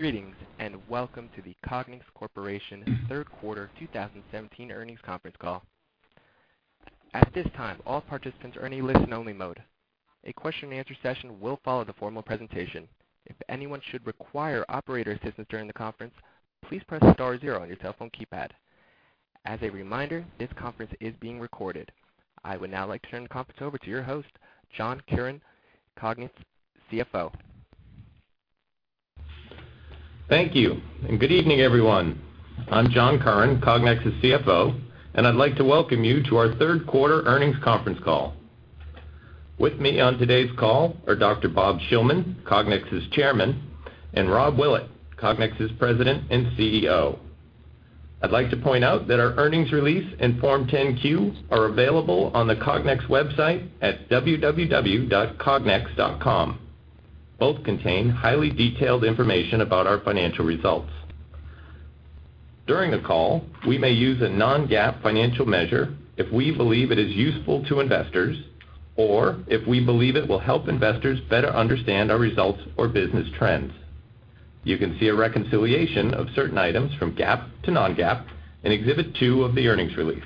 Greetings, and welcome to the Cognex Corporation third quarter 2017 earnings conference call. At this time, all participants are in a listen-only mode. A question and answer session will follow the formal presentation. If anyone should require operator assistance during the conference, please press star zero on your telephone keypad. As a reminder, this conference is being recorded. I would now like to turn the conference over to your host, John Curran, Cognex CFO. Thank you, and good evening, everyone. I'm John Curran, Cognex's CFO, and I'd like to welcome you to our third quarter earnings conference call. With me on today's call are Dr. Robert Shillman, Cognex's Chairman, and Robert Willett, Cognex's President and CEO. I'd like to point out that our earnings release and Form 10-Q are available on the cognex website at www.cognex.com. Both contain highly detailed information about our financial results. During the call, we may use a non-GAAP financial measure if we believe it is useful to investors or if we believe it will help investors better understand our results or business trends. You can see a reconciliation of certain items from GAAP to non-GAAP in Exhibit 2 of the earnings release.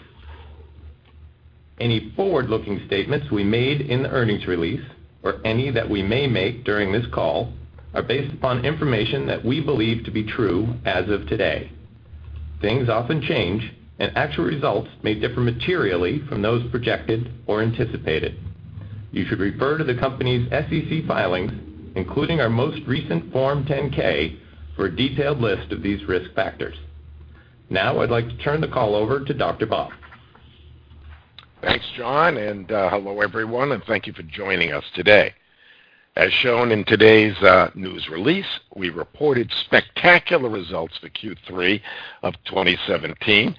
Any forward-looking statements we made in the earnings release or any that we may make during this call are based upon information that we believe to be true as of today. Things often change, and actual results may differ materially from those projected or anticipated. You should refer to the company's SEC filings, including our most recent Form 10-K, for a detailed list of these risk factors. Now I'd like to turn the call over to Dr. Bob. Thanks, John, and hello, everyone, and thank you for joining us today. As shown in today's news release, we reported spectacular results for Q3 of 2017.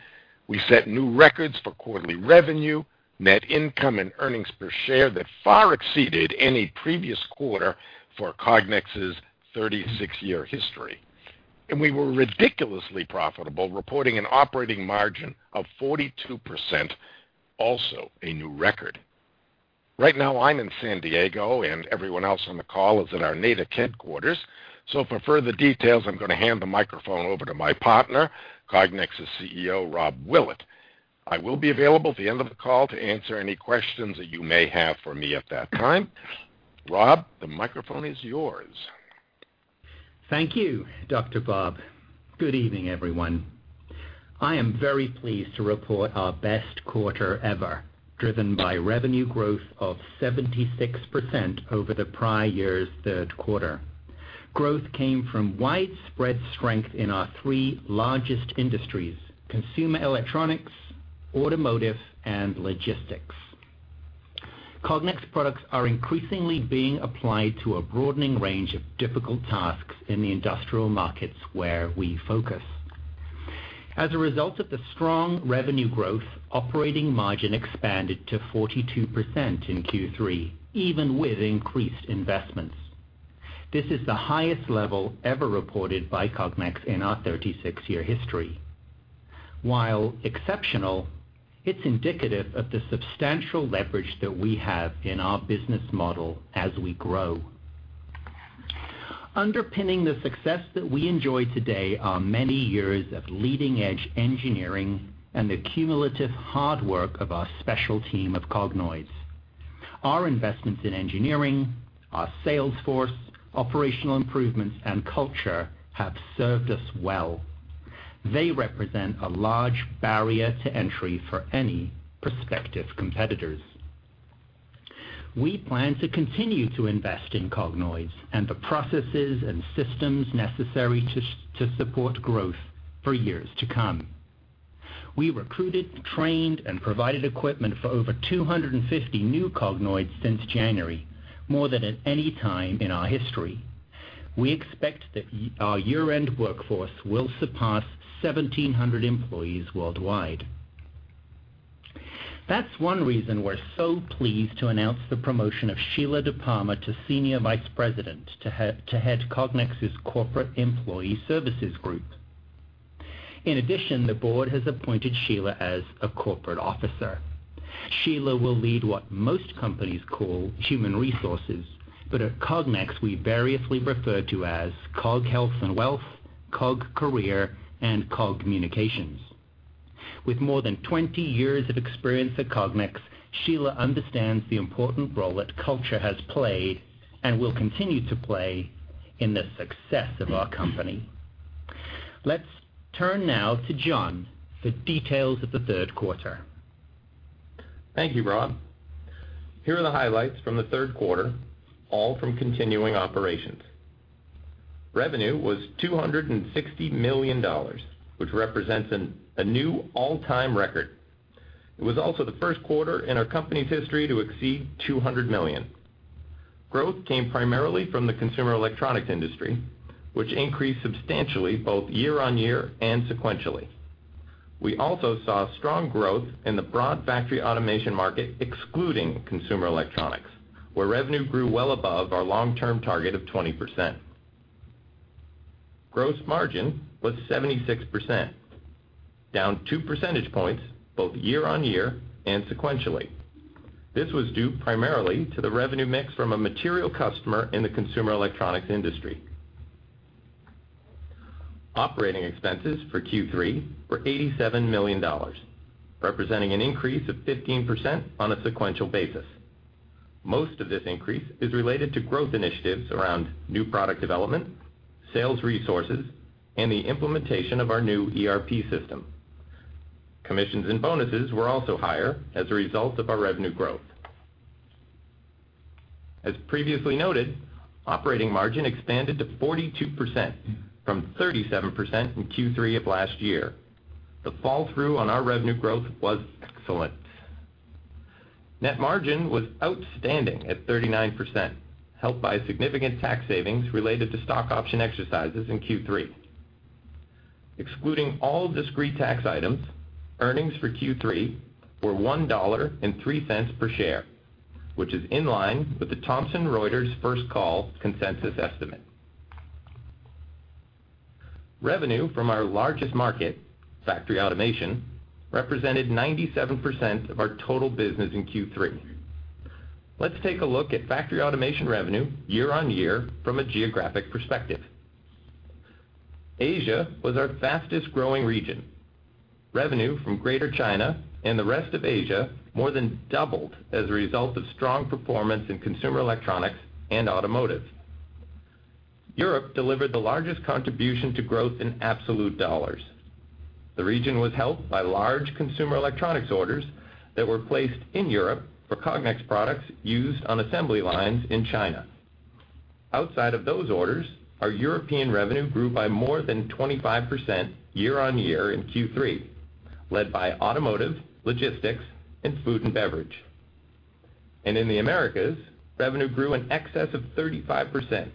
We set new records for quarterly revenue, net income, and earnings per share that far exceeded any previous quarter for Cognex's 36-year history. We were ridiculously profitable, reporting an operating margin of 42%, also a new record. Right now I'm in San Diego, and everyone else on the call is at our Natick headquarters. For further details, I'm going to hand the microphone over to my partner, Cognex's CEO, Robert Willett. I will be available at the end of the call to answer any questions that you may have for me at that time. Rob, the microphone is yours. Thank you, Dr. Bob. Good evening, everyone. I am very pleased to report our best quarter ever, driven by revenue growth of 76% over the prior year's third quarter. Growth came from widespread strength in our three largest industries, consumer electronics, automotive, and logistics. Cognex products are increasingly being applied to a broadening range of difficult tasks in the industrial markets where we focus. As a result of the strong revenue growth, operating margin expanded to 42% in Q3, even with increased investments. This is the highest level ever reported by Cognex in our 36-year history. While exceptional, it's indicative of the substantial leverage that we have in our business model as we grow. Underpinning the success that we enjoy today are many years of leading-edge engineering and the cumulative hard work of our special team of Cognoids. Our investments in engineering, our sales force, operational improvements, and culture have served us well. They represent a large barrier to entry for any prospective competitors. We plan to continue to invest in Cognoids and the processes and systems necessary to support growth for years to come. We recruited, trained, and provided equipment for over 250 new Cognoids since January, more than at any time in our history. We expect that our year-end workforce will surpass 1,700 employees worldwide. That's one reason we're so pleased to announce the promotion of Sheila DiPalma to Senior Vice President to head Cognex's Corporate Employee Services group. In addition, the board has appointed Sheila as a corporate officer. Sheila will lead what most companies call human resources, but at Cognex, we variously refer to as Cog Health and Wealth, Cog Career, and Cog Communications. With more than 20 years of experience at Cognex, Sheila understands the important role that culture has played and will continue to play in the success of our company. Let's turn now to John for details of the third quarter. Thank you, Rob. Here are the highlights from the third quarter, all from continuing operations. Revenue was $260 million, which represents a new all-time record. It was also the first quarter in our company's history to exceed $200 million. Growth came primarily from the consumer electronics industry, which increased substantially both year-on-year and sequentially. We also saw strong growth in the broad factory automation market, excluding consumer electronics, where revenue grew well above our long-term target of 20%. Gross margin was 76%. Down two percentage points both year-on-year and sequentially. This was due primarily to the revenue mix from a material customer in the consumer electronics industry. Operating expenses for Q3 were $87 million, representing an increase of 15% on a sequential basis. Most of this increase is related to growth initiatives around new product development, sales resources, and the implementation of our new ERP system. Commissions and bonuses were also higher as a result of our revenue growth. As previously noted, operating margin expanded to 42% from 37% in Q3 of last year. The fall-through on our revenue growth was excellent. Net margin was outstanding at 39%, helped by significant tax savings related to stock option exercises in Q3. Excluding all discrete tax items, earnings for Q3 were $1.03 per share, which is in line with the Thomson Reuters First Call consensus estimate. Revenue from our largest market, factory automation, represented 97% of our total business in Q3. Let's take a look at factory automation revenue year-on-year from a geographic perspective. Asia was our fastest-growing region. Revenue from Greater China and the rest of Asia more than doubled as a result of strong performance in consumer electronics and automotive. Europe delivered the largest contribution to growth in absolute dollars. The region was helped by large consumer electronics orders that were placed in Europe for Cognex products used on assembly lines in China. Outside of those orders, our European revenue grew by more than 25% year-on-year in Q3, led by automotive, logistics, and food and beverage. In the Americas, revenue grew in excess of 35%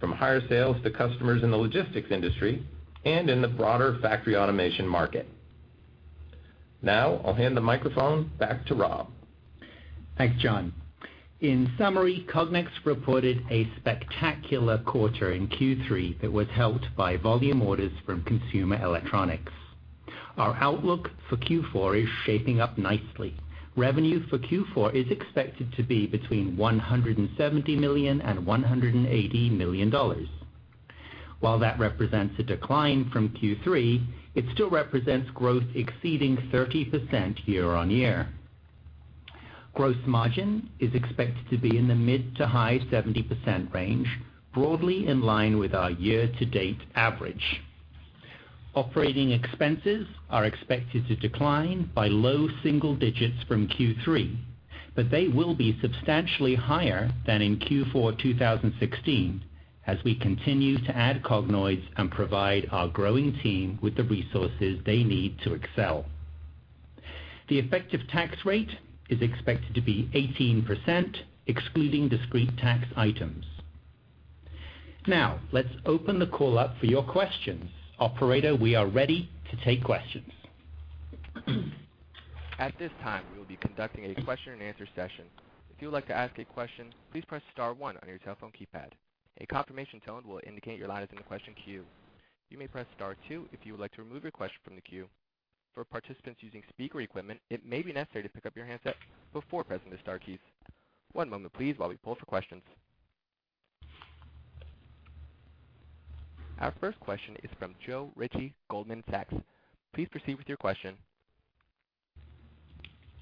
from higher sales to customers in the logistics industry and in the broader factory automation market. Now, I'll hand the microphone back to Rob. Thanks, John. In summary, Cognex reported a spectacular quarter in Q3 that was helped by volume orders from consumer electronics. Our outlook for Q4 is shaping up nicely. Revenue for Q4 is expected to be between $170 million-$180 million. While that represents a decline from Q3, it still represents growth exceeding 30% year-on-year. Gross margin is expected to be in the mid to high 70% range, broadly in line with our year-to-date average. Operating expenses are expected to decline by low single digits from Q3, but they will be substantially higher than in Q4 2016, as we continue to add Cognoids and provide our growing team with the resources they need to excel. The effective tax rate is expected to be 18%, excluding discrete tax items. Let's open the call up for your questions. Operator, we are ready to take questions. At this time, we will be conducting a question and answer session. If you would like to ask a question, please press star one on your telephone keypad. A confirmation tone will indicate your line is in the question queue. You may press star two if you would like to remove your question from the queue. For participants using speaker equipment, it may be necessary to pick up your handset before pressing the star keys. One moment, please, while we pull for questions. Our first question is from Joe Ritchie, Goldman Sachs. Please proceed with your question.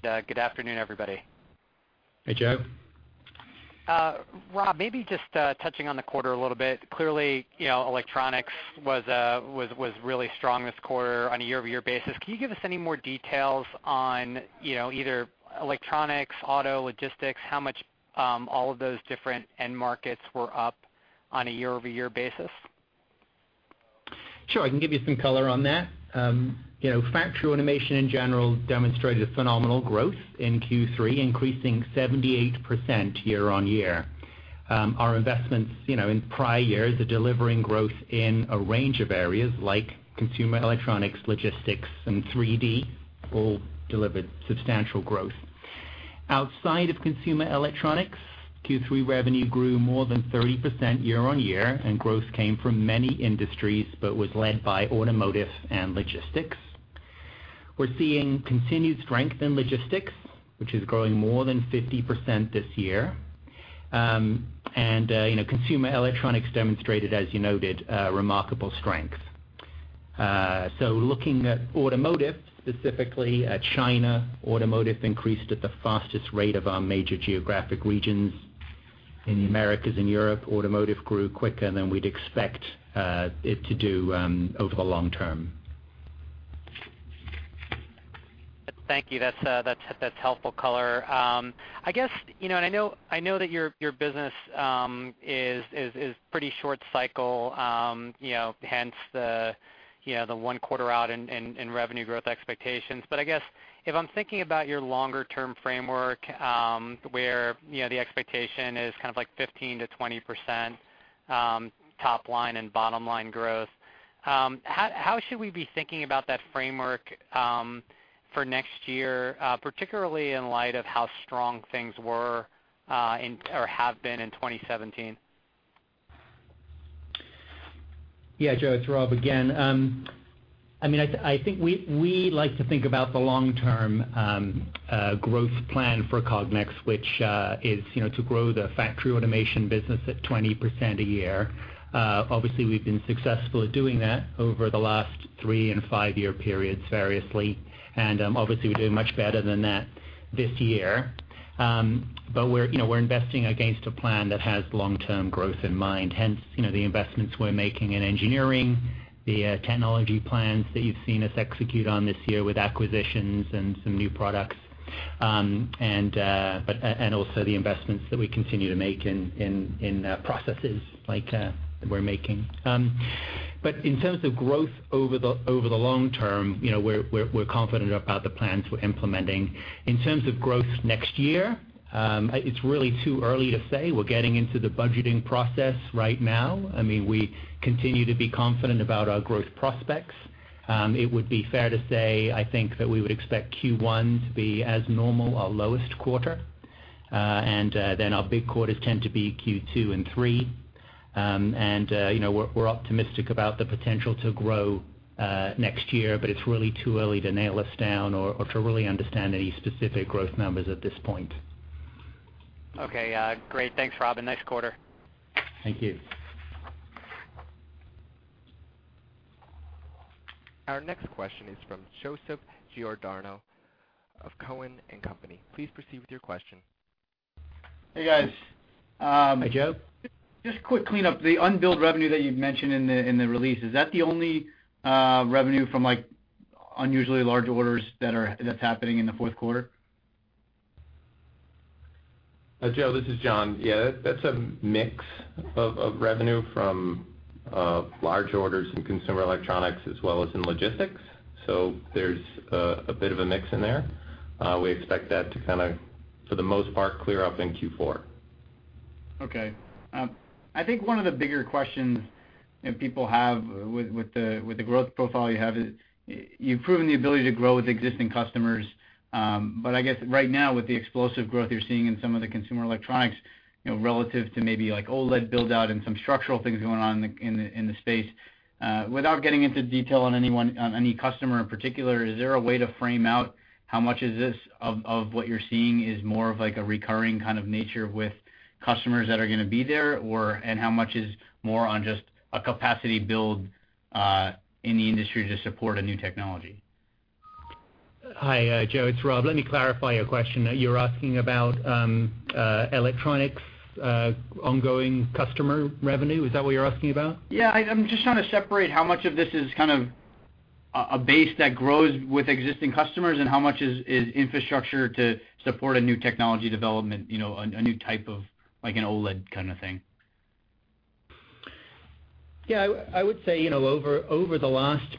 Good afternoon, everybody. Hey, Joe. Rob, maybe just touching on the quarter a little bit. Clearly, electronics was really strong this quarter on a year-over-year basis. Can you give us any more details on either electronics, auto, logistics, how much all of those different end markets were up on a year-over-year basis? Sure, I can give you some color on that. Factory automation in general demonstrated phenomenal growth in Q3, increasing 78% year-on-year. Our investments in prior years are delivering growth in a range of areas like consumer electronics, logistics, and 3D, all delivered substantial growth. Outside of consumer electronics, Q3 revenue grew more than 30% year-on-year. Growth came from many industries but was led by automotive and logistics. We're seeing continued strength in logistics, which is growing more than 50% this year. Consumer electronics demonstrated, as you noted, remarkable strength. Looking at automotive, specifically at China, automotive increased at the fastest rate of our major geographic regions. In the Americas and Europe, automotive grew quicker than we'd expect it to do over the long term. Thank you. That's helpful color. I know that your business is pretty short cycle, hence the one quarter out in revenue growth expectations. I guess, if I'm thinking about your longer-term framework, where the expectation is 15%-20% top line and bottom line growth, how should we be thinking about that framework for next year, particularly in light of how strong things were, or have been in 2017? Joe, it's Rob again. I think we like to think about the long-term growth plan for Cognex, which is to grow the factory automation business at 20% a year. Obviously, we've been successful at doing that over the last three and five-year periods variously, and obviously, we're doing much better than that this year. We're investing against a plan that has long-term growth in mind. Hence, the investments we're making in engineering, the technology plans that you've seen us execute on this year with acquisitions and some new products, and also the investments that we continue to make in processes like we're making. In terms of growth over the long term, we're confident about the plans we're implementing. In terms of growth next year, it's really too early to say. We're getting into the budgeting process right now. We continue to be confident about our growth prospects. It would be fair to say, I think that we would expect Q1 to be as normal, our lowest quarter, and then our big quarters tend to be Q2 and 3. We're optimistic about the potential to grow next year. It's really too early to nail us down or to really understand any specific growth numbers at this point. Okay. Great. Thanks, Rob, and nice quarter. Thank you. Our next question is from Joseph Giordano of Cowen and Company. Please proceed with your question. Hey, guys. Hi, Joe. Just a quick cleanup. The unbilled revenue that you've mentioned in the release, is that the only revenue from unusually large orders that's happening in the fourth quarter? Joe, this is John. Yeah, that's a mix of revenue from large orders in consumer electronics as well as in logistics. There's a bit of a mix in there. We expect that to, for the most part, clear up in Q4. Okay. I think one of the bigger questions that people have with the growth profile you have is you've proven the ability to grow with existing customers. I guess right now, with the explosive growth you're seeing in some of the consumer electronics, relative to maybe OLED build-out and some structural things going on in the space, without getting into detail on any customer in particular, is there a way to frame out how much is this of what you're seeing is more of a recurring kind of nature with customers that are going to be there? Or, how much is more on just a capacity build in the industry to support a new technology? Hi, Joe. It's Rob. Let me clarify your question. You're asking about electronics, ongoing customer revenue. Is that what you're asking about? I'm just trying to separate how much of this is kind of a base that grows with existing customers, and how much is infrastructure to support a new technology development, a new type of an OLED kind of thing. I would say, over the last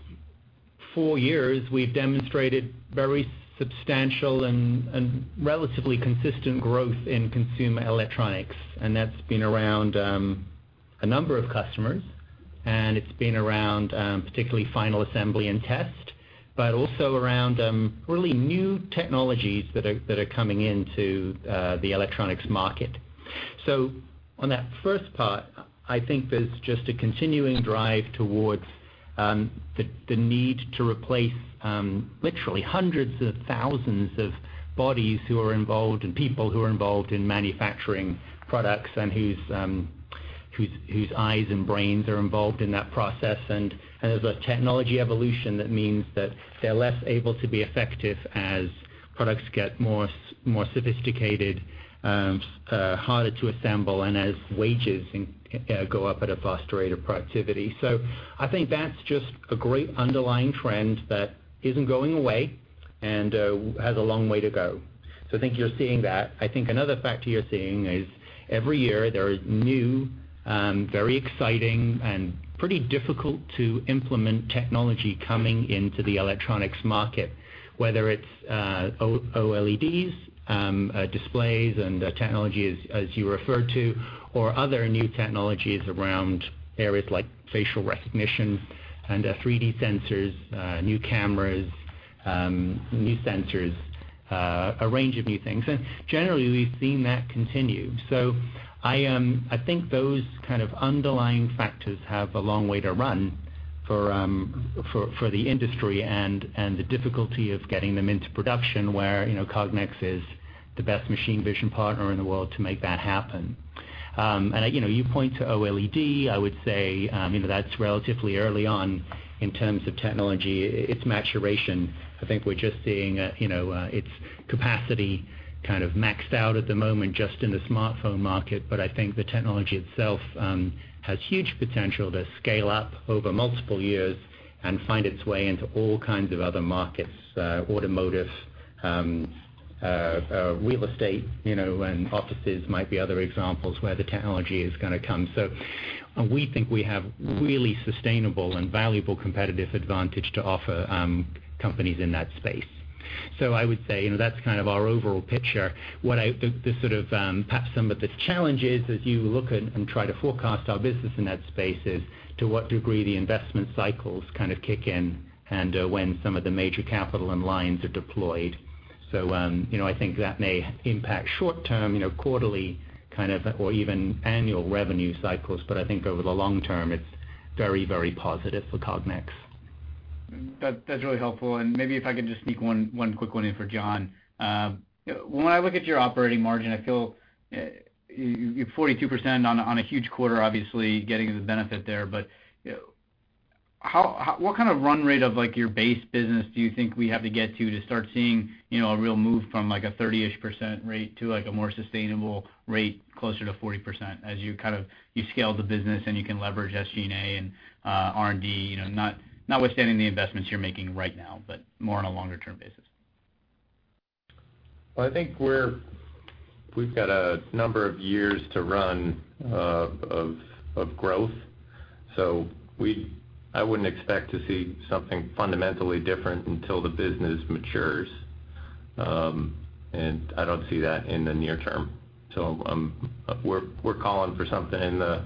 four years, we've demonstrated very substantial and relatively consistent growth in consumer electronics, and that's been around a number of customers, and it's been around particularly final assembly and test, but also around really new technologies that are coming into the electronics market. On that first part, I think there's just a continuing drive towards the need to replace literally hundreds of thousands of bodies who are involved and people who are involved in manufacturing products and whose eyes and brains are involved in that process. There's a technology evolution that means that they're less able to be effective as products get more sophisticated, harder to assemble, and as wages go up at a faster rate of productivity. I think that's just a great underlying trend that isn't going away and has a long way to go. I think you're seeing that. I think another factor you're seeing is every year there is new, very exciting, and pretty difficult to implement technology coming into the electronics market, whether it's OLEDs, displays, and technology as you referred to, or other new technologies around areas like facial recognition and 3D sensors, new cameras, new sensors, a range of new things. Generally, we've seen that continue. I think those kind of underlying factors have a long way to run for the industry and the difficulty of getting them into production where Cognex is the best machine vision partner in the world to make that happen. You point to OLED. I would say, that's relatively early on in terms of technology, its maturation. I think we're just seeing its capacity kind of maxed out at the moment just in the smartphone market. I think the technology itself has huge potential to scale up over multiple years and find its way into all kinds of other markets, automotive, real estate, and offices might be other examples where the technology is going to come. We think we have really sustainable and valuable competitive advantage to offer companies in that space. I would say, that's kind of our overall picture. What I think the sort of, perhaps some of the challenges as you look at and try to forecast our business in that space is to what degree the investment cycles kind of kick in and when some of the major capital and lines are deployed. I think that may impact short-term, quarterly, or even annual revenue cycles, but I think over the long term, it's very positive for Cognex. That's really helpful. Maybe if I could just sneak one quick one in for John. When I look at your operating margin, I feel you have 42% on a huge quarter, obviously getting the benefit there, but what kind of run rate of your base business do you think we have to get to start seeing a real move from a 30%-ish rate to a more sustainable rate closer to 40% as you scale the business and you can leverage SG&A and R&D, notwithstanding the investments you're making right now, but more on a longer term basis? Well, I think we've got a number of years to run of growth, I wouldn't expect to see something fundamentally different until the business matures. I don't see that in the near term. We're calling for something in the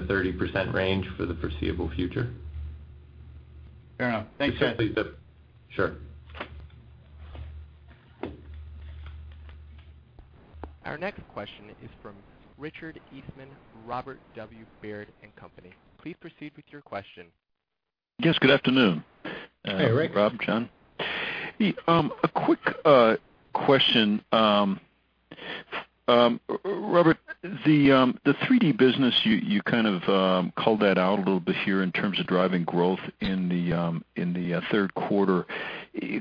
30% range for the foreseeable future. Fair enough. Thanks, guys. Sure. Our next question is from Richard Eastman, Robert W. Baird & Co.. Please proceed with your question. Yes, good afternoon. Hey, Rick. Rob, John. A quick question. Robert, the 3D business, you kind of called that out a little bit here in terms of driving growth in the third quarter.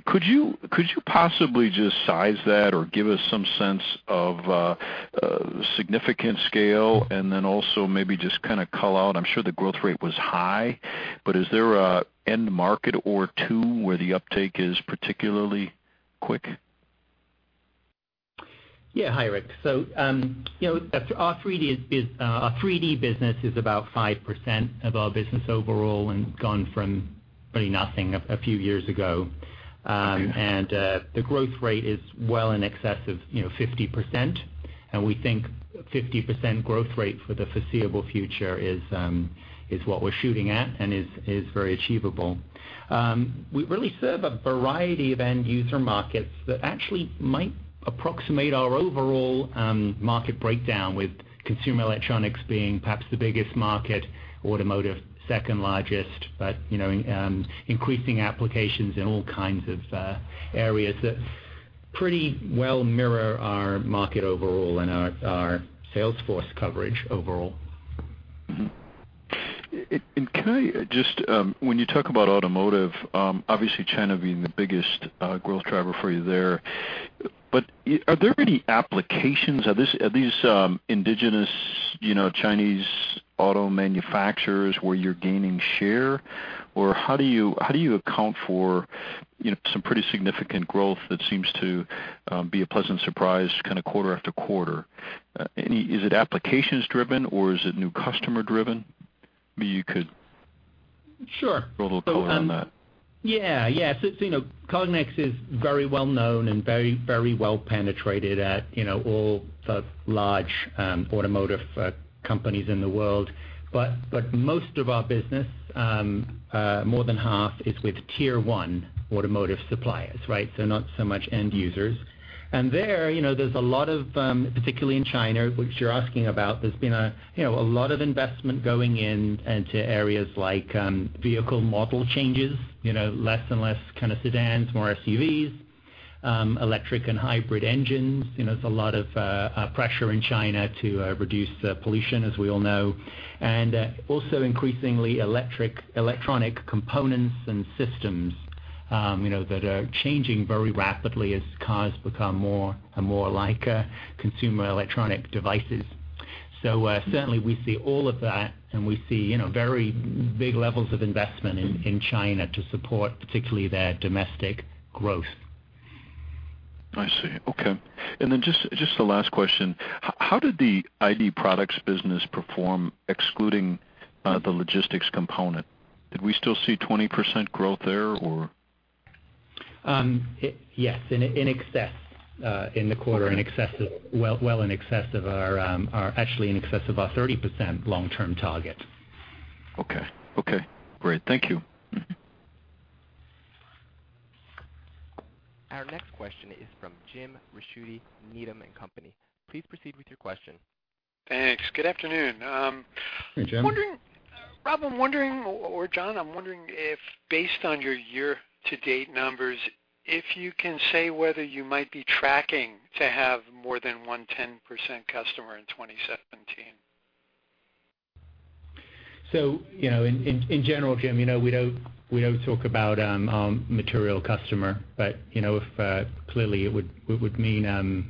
Could you possibly just size that or give us some sense of significant scale and then also maybe just kind of call out, I'm sure the growth rate was high, but is there an end market or two where the uptake is particularly quick? Yeah. Hi, Rick. Our 3D business is about 5% of our business overall and gone from really nothing a few years ago. Okay. The growth rate is well in excess of 50%, and we think 50% growth rate for the foreseeable future is what we're shooting at and is very achievable. We really serve a variety of end user markets that actually might approximate our overall market breakdown, with consumer electronics being perhaps the biggest market, automotive second largest, but increasing applications in all kinds of areas that pretty well mirror our market overall and our sales force coverage overall. Mm-hmm. Can I just When you talk about automotive, obviously China being the biggest growth driver for you there, but are there any applications, are these indigenous Chinese auto manufacturers where you're gaining share? How do you account for some pretty significant growth that seems to be a pleasant surprise kind of quarter after quarter? Is it applications driven or is it new customer driven? Maybe you could. Sure Throw a little color on that. Yeah. Cognex is very well known and very well penetrated at all the large automotive companies in the world. Most of our business, more than half, is with tier 1 automotive suppliers. Not so much end users. There, there's a lot of, particularly in China, which you're asking about, there's been a lot of investment going in into areas like vehicle model changes, less and less kind of sedans, more SUVs, electric and hybrid engines. There's a lot of pressure in China to reduce pollution, as we all know. Also increasingly electronic components and systems that are changing very rapidly as cars become more and more like consumer electronic devices. Certainly we see all of that, and we see very big levels of investment in China to support particularly their domestic growth. I see. Okay. Just the last question, how did the ID products business perform, excluding the logistics component? Did we still see 20% growth there, or? Yes, in excess in the quarter. Okay Actually in excess of our 30% long-term target. Okay. Great. Thank you. Mm-hmm. Our next question is from James Ricchiuti, Needham & Company. Please proceed with your question. Thanks. Good afternoon. Hey, Jim. Rob, I'm wondering, or John, I'm wondering if based on your year-to-date numbers, if you can say whether you might be tracking to have more than one 10% customer in 2017. In general, Jim, we don't talk about material customer, clearly it would mean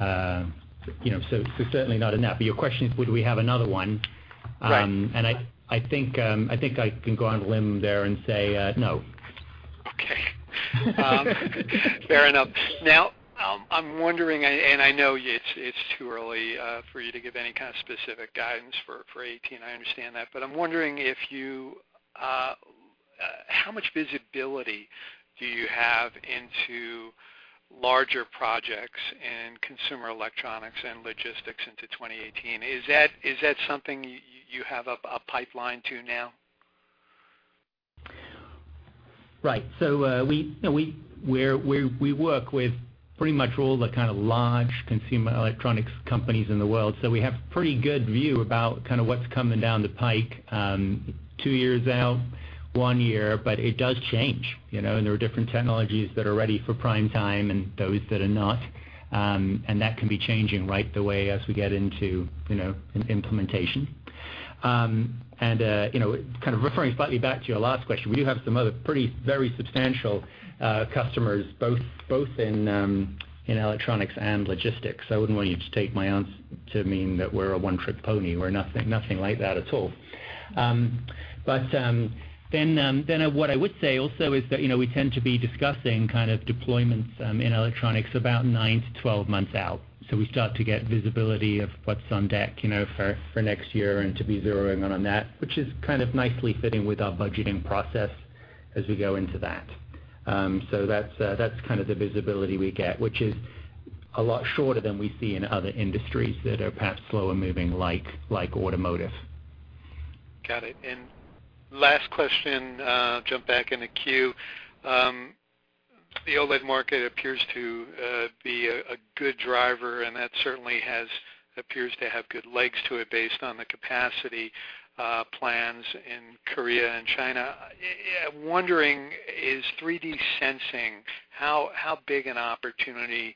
certainly not in that. Your question is would we have another one? Right. I think I can go on a limb there and say no. Okay. Fair enough. I'm wondering, I know it's too early for you to give any kind of specific guidance for 2018. I understand that, I'm wondering how much visibility do you have into larger projects in consumer electronics and logistics into 2018? Is that something you have a pipeline to now? Right. We work with pretty much all the kind of large consumer electronics companies in the world. We have pretty good view about what's coming down the pipe, two years out, one year, it does change. There are different technologies that are ready for prime time and those that are not. That can be changing right the way as we get into implementation. Kind of referring slightly back to your last question, we do have some other pretty very substantial customers, both in electronics and logistics. I wouldn't want you to take my answer to mean that we're a one-trick pony. We're nothing like that at all. What I would say also is that, we tend to be discussing kind of deployments in electronics about nine to 12 months out. We start to get visibility of what's on deck for next year and to be zeroing in on that, which is kind of nicely fitting with our budgeting process as we go into that. That's kind of the visibility we get, which is a lot shorter than we see in other industries that are perhaps slower moving, like automotive. Got it. Last question, jump back in the queue. The OLED market appears to be a good driver, and that certainly appears to have good legs to it based on the capacity plans in Korea and China. Wondering, is 3D sensing, how big an opportunity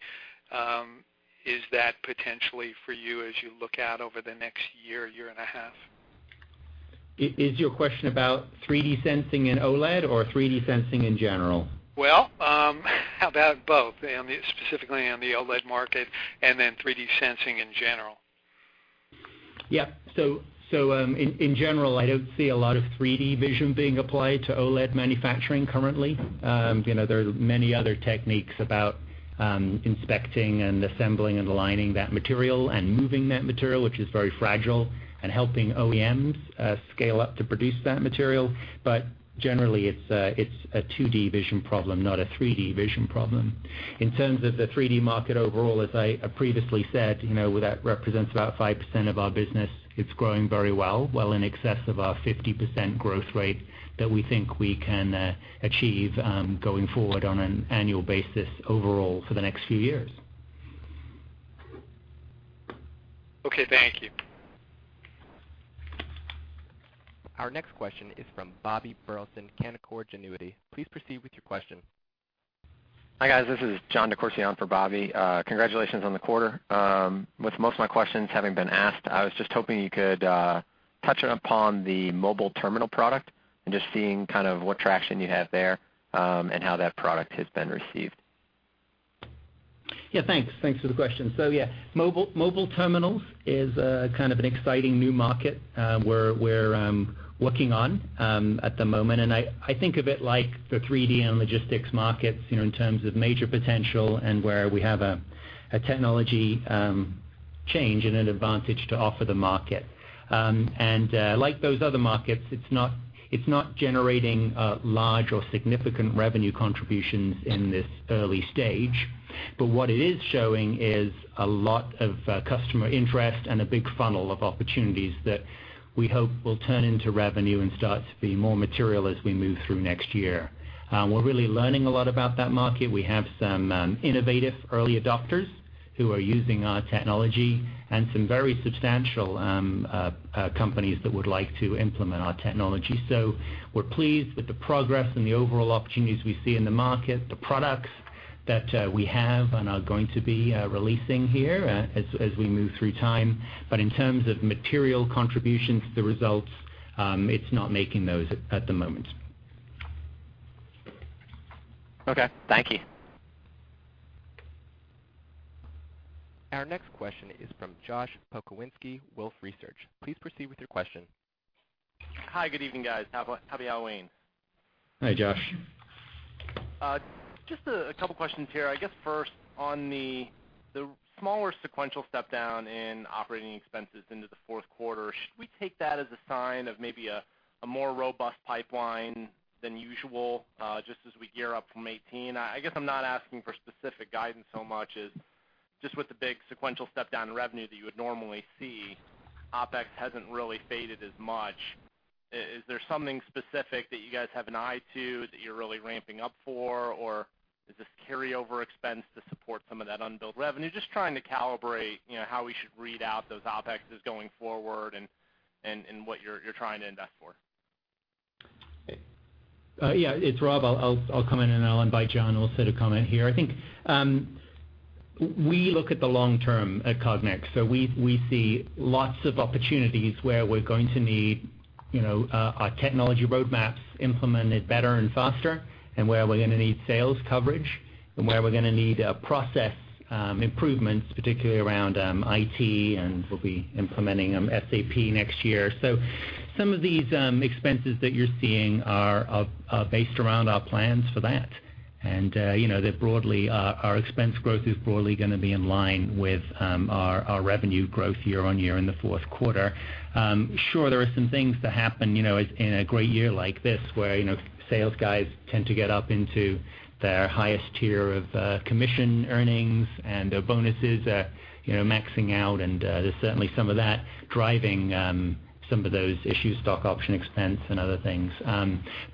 is that potentially for you as you look out over the next year and a half? Is your question about 3D sensing in OLED or 3D sensing in general? Well, how about both? Specifically on the OLED market, 3D sensing in general. Yeah. In general, I don't see a lot of 3D vision being applied to OLED manufacturing currently. There are many other techniques about inspecting and assembling and aligning that material and moving that material, which is very fragile, and helping OEMs scale up to produce that material. But generally, it's a 2D vision problem, not a 3D vision problem. In terms of the 3D market overall, as I previously said, that represents about 5% of our business. It's growing very well, well in excess of our 50% growth rate that we think we can achieve going forward on an annual basis overall for the next few years. Okay, thank you. Our next question is from Bobby Burleson, Canaccord Genuity. Please proceed with your question. Hi, guys. This is Jon Decourcey for Bobby. Congratulations on the quarter. With most of my questions having been asked, I was just hoping you could touch upon the mobile terminal product and just seeing kind of what traction you have there, and how that product has been received. Yeah, thanks for the question. Yeah, mobile terminals is kind of an exciting new market we're working on at the moment, I think of it like the 3D and logistics markets, in terms of major potential and where we have a technology change and an advantage to offer the market. Like those other markets, it's not generating large or significant revenue contributions in this early stage. What it is showing is a lot of customer interest and a big funnel of opportunities that we hope will turn into revenue and start to be more material as we move through next year. We're really learning a lot about that market. We have some innovative early adopters who are using our technology and some very substantial companies that would like to implement our technology. We're pleased with the progress and the overall opportunities we see in the market, the products that we have and are going to be releasing here as we move through time. In terms of material contributions to the results, it's not making those at the moment. Okay. Thank you. Our next question is from Joshua Pokrzywinski, Wolfe Research. Please proceed with your question. Hi, good evening, guys. [Havayawein]. Hi, Josh. Just a couple questions here. I guess first, on the smaller sequential step down in operating expenses into the fourth quarter, should we take that as a sign of maybe a more robust pipeline than usual, just as we gear up from 2018? I guess I'm not asking for specific guidance so much as just with the big sequential step down in revenue that you would normally see, OpEx hasn't really faded as much. Is there something specific that you guys have an eye to that you're really ramping up for, or is this carryover expense to support some of that unbilled revenue? Just trying to calibrate how we should read out those OpExes going forward and what you're trying to invest for. It's Rob. I'll come in and I'll invite John also to comment here. I think we look at the long term at Cognex, we see lots of opportunities where we're going to need our technology roadmaps implemented better and faster, and where we're going to need sales coverage, and where we're going to need process improvements, particularly around IT, and we'll be implementing SAP next year. Some of these expenses that you're seeing are based around our plans for that. Our expense growth is broadly going to be in line with our revenue growth year-on-year in the fourth quarter.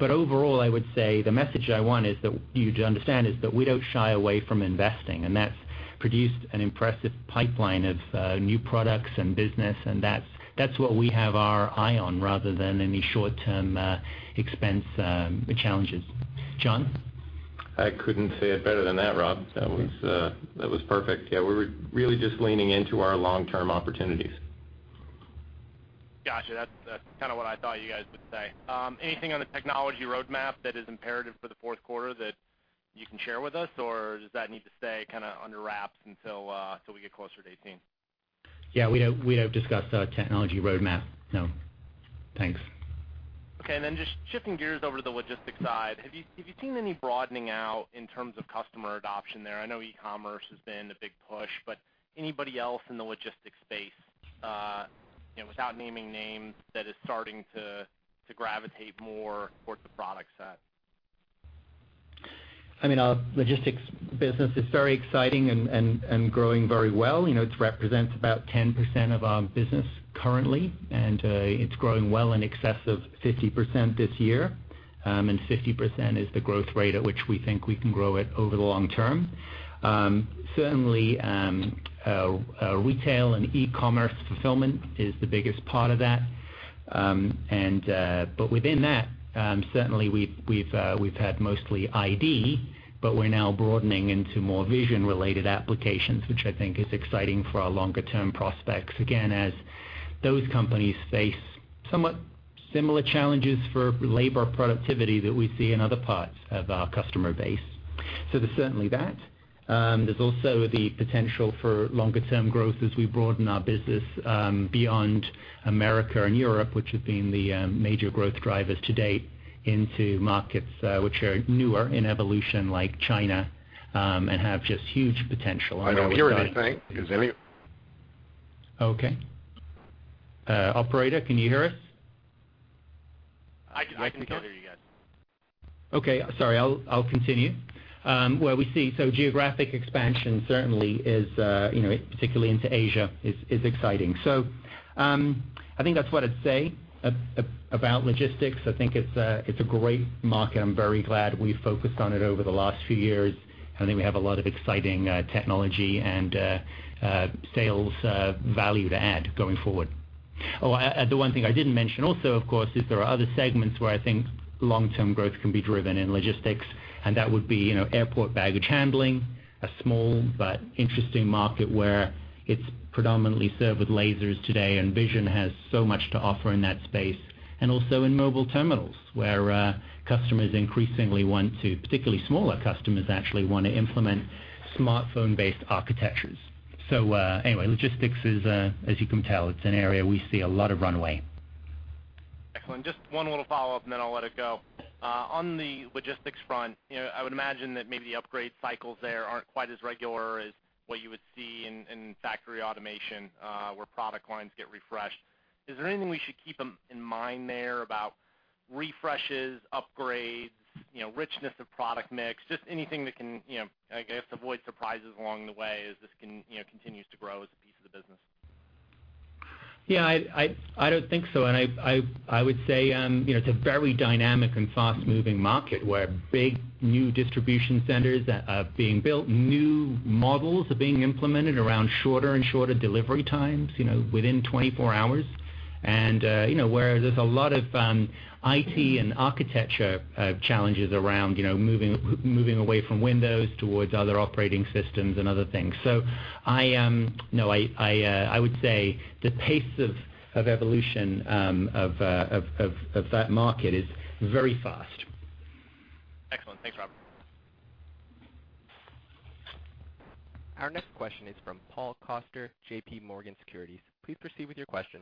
Overall, I would say the message I want you to understand is that we don't shy away from investing, and that's produced an impressive pipeline of new products and business, and that's what we have our eye on rather than any short-term expense challenges. John? I couldn't say it better than that, Rob. That was perfect. Yeah, we're really just leaning into our long-term opportunities. Got you. That's what I thought you guys would say. Anything on the technology roadmap that is imperative for the fourth quarter that you can share with us? Or does that need to stay under wraps until we get closer to 2018? Yeah, we don't discuss technology roadmap, no. Thanks. Okay. Just shifting gears over to the logistics side, have you seen any broadening out in terms of customer adoption there? I know e-commerce has been the big push, but anybody else in the logistics space, without naming names, that is starting to gravitate more towards the product set? Our logistics business is very exciting and growing very well. It represents about 10% of our business currently, and it's growing well in excess of 50% this year. 50% is the growth rate at which we think we can grow it over the long term. Certainly, retail and e-commerce fulfillment is the biggest part of that. Within that, certainly we've had mostly ID, but we're now broadening into more vision-related applications, which I think is exciting for our longer-term prospects, again, as those companies face somewhat similar challenges for labor productivity that we see in other parts of our customer base. There's certainly that. There's also the potential for longer-term growth as we broaden our business beyond America and Europe, which have been the major growth drivers to date, into markets which are newer in evolution, like China, and have just huge potential. I don't hear anything. Okay. Operator, can you hear us? I can hear you guys. Okay. Sorry, I'll continue. Where we see, geographic expansion certainly, particularly into Asia, is exciting. I think that's what I'd say about logistics. I think it's a great market. I'm very glad we focused on it over the last few years. I think we have a lot of exciting technology and sales value to add going forward. The one thing I didn't mention also, of course, is there are other segments where I think long-term growth can be driven in logistics, and that would be airport baggage handling, a small but interesting market where it's predominantly served with lasers today, and vision has so much to offer in that space. Also in mobile terminals where customers increasingly want to, particularly smaller customers actually, want to implement smartphone-based architectures. Anyway, logistics is, as you can tell, it's an area we see a lot of runway. Excellent. Just one little follow-up and I'll let it go. On the logistics front, I would imagine that maybe the upgrade cycles there aren't quite as regular as what you would see in factory automation, where product lines get refreshed. Is there anything we should keep in mind there about refreshes, upgrades, richness of product mix? Just anything that can, I guess, avoid surprises along the way as this continues to grow as a piece of the business? I don't think so, I would say, it's a very dynamic and fast-moving market where big new distribution centers are being built, new models are being implemented around shorter and shorter delivery times, within 24 hours. Where there's a lot of IT and architecture challenges around moving away from Windows towards other operating systems and other things. I would say the pace of evolution of that market is very fast. Excellent. Thanks, Rob. Our next question is from Paul Coster, J.P. Morgan Securities. Please proceed with your question.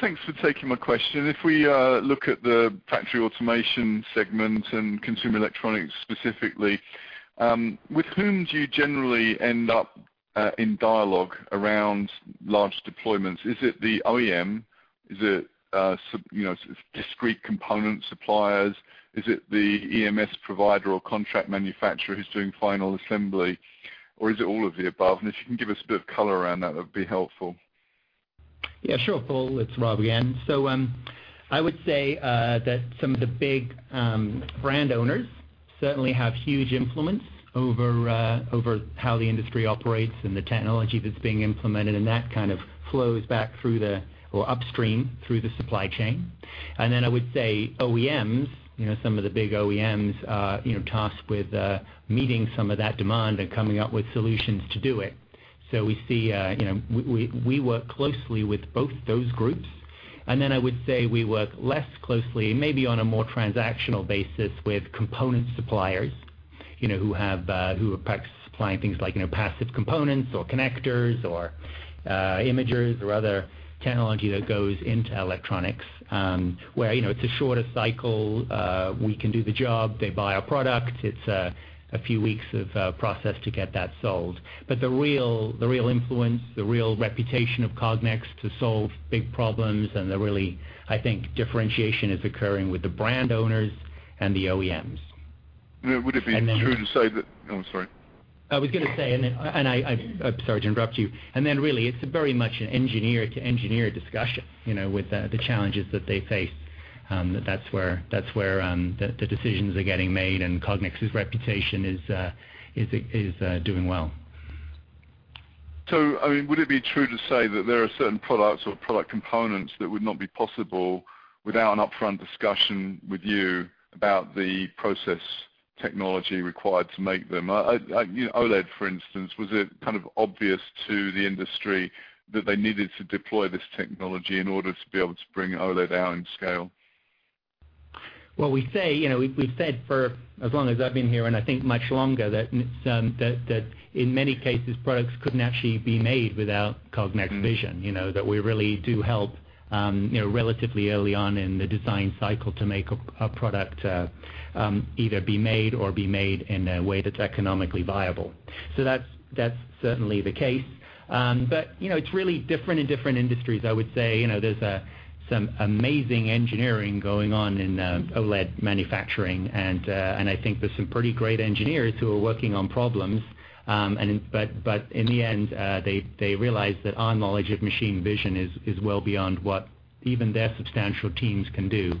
Thanks for taking my question. If we look at the factory automation segment and consumer electronics specifically, with whom do you generally end up in dialogue around large deployments? Is it the OEM? Is it discrete component suppliers? Is it the EMS provider or contract manufacturer who's doing final assembly? Or is it all of the above? If you can give us a bit of color around that'd be helpful. Sure, Paul. It's Rob again. I would say that some of the big brand owners certainly have huge influence over how the industry operates and the technology that's being implemented, and that kind of flows back through the, or upstream through the supply chain. Then I would say OEMs, some of the big OEMs tasked with meeting some of that demand and coming up with solutions to do it. We work closely with both those groups. Then I would say we work less closely, maybe on a more transactional basis, with component suppliers, who are perhaps supplying things like passive components or connectors or imagers or other technology that goes into electronics, where it's a shorter cycle. We can do the job, they buy our product. It's a few weeks of process to get that sold. The real influence, the real reputation of Cognex to solve big problems and the really, I think, differentiation is occurring with the brand owners and the OEMs. Would it be true to say that oh, I'm sorry. I was going to say, and I'm sorry to interrupt you, then really, it's very much an engineer to engineer discussion, with the challenges that they face. That's where the decisions are getting made and Cognex's reputation is doing well. Would it be true to say that there are certain products or product components that would not be possible without an upfront discussion with you about the process technology required to make them? OLED, for instance, was it kind of obvious to the industry that they needed to deploy this technology in order to be able to bring OLED out in scale? We've said for as long as I've been here, and I think much longer, that in many cases, products couldn't actually be made without Cognex vision, that we really do help relatively early on in the design cycle to make a product either be made or be made in a way that's economically viable. That's certainly the case. It's really different in different industries, I would say. There's some amazing engineering going on in OLED manufacturing, and I think there's some pretty great engineers who are working on problems. In the end, they realize that our knowledge of machine vision is well beyond what even their substantial teams can do,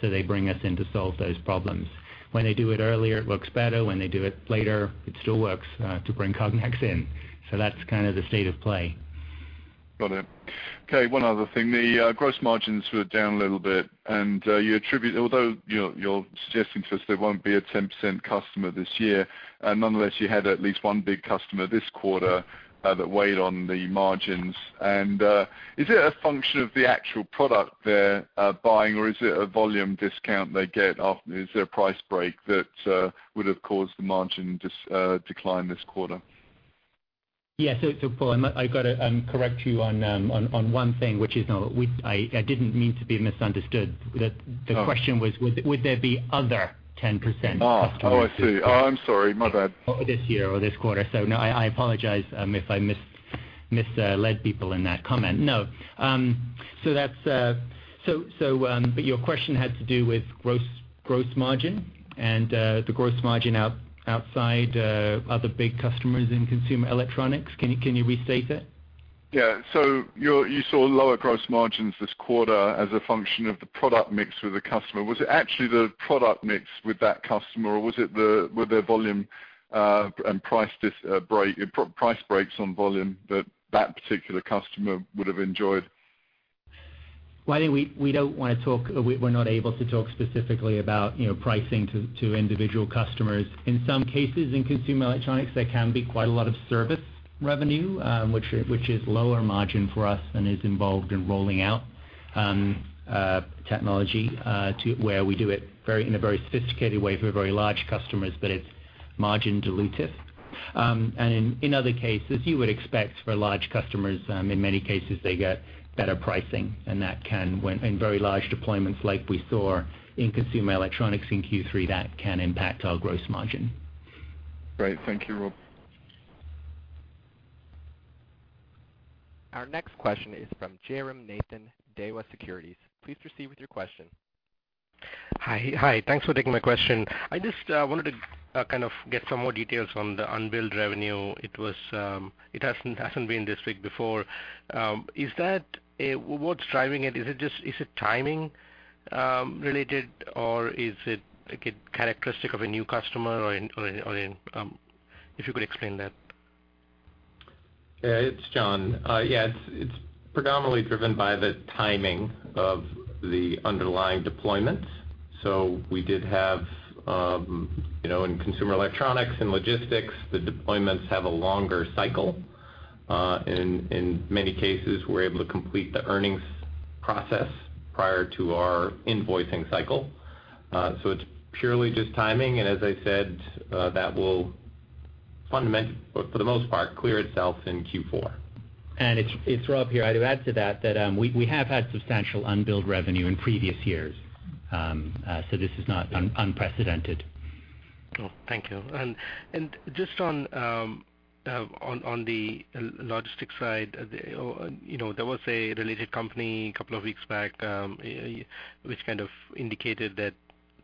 so they bring us in to solve those problems. When they do it earlier, it works better. When they do it later, it still works to bring Cognex in. That's kind of the state of play. Got it. Okay, one other thing. The gross margins were down a little bit, although you're suggesting to us there won't be a 10% customer this year, nonetheless, you had at least one big customer this quarter that weighed on the margins. Is it a function of the actual product they're buying, or is it a volume discount they get off? Is there a price break that would have caused the margin decline this quarter? Yeah. Paul, I've got to correct you on one thing, which is no. I didn't mean to be misunderstood. The question was, would there be other 10% customers? Oh, I see. Oh, I'm sorry. My bad No, I apologize if I misled people in that comment. No. Your question had to do with gross margin and the gross margin outside other big customers in consumer electronics. Can you restate it? Yeah. You saw lower gross margins this quarter as a function of the product mix with the customer. Was it actually the product mix with that customer, or were there price breaks on volume that that particular customer would have enjoyed? Well, we're not able to talk specifically about pricing to individual customers. In some cases, in consumer electronics, there can be quite a lot of service revenue, which is lower margin for us and is involved in rolling out technology, where we do it in a very sophisticated way for very large customers, but it's margin dilutive. In other cases, you would expect for large customers, in many cases, they get better pricing, and very large deployments like we saw in consumer electronics in Q3, that can impact our gross margin. Great. Thank you, Rob. Our next question is from Jairam Nathan, Daiwa Securities. Please proceed with your question. Hi. Thanks for taking my question. I just wanted to kind of get some more details on the unbilled revenue. It hasn't been this big before. What's driving it? Is it timing related, or is it characteristic of a new customer? If you could explain that. It's John. Yeah, it's predominantly driven by the timing of the underlying deployments. We did have, in consumer electronics and logistics, the deployments have a longer cycle. In many cases, we're able to complete the earnings process prior to our invoicing cycle. It's purely just timing, and as I said, that will for the most part, clear itself in Q4. It's Rob here. To add to that, we have had substantial unbilled revenue in previous years. This is not unprecedented. Oh, thank you. Just on the logistics side, there was a related company a couple of weeks back, which kind of indicated that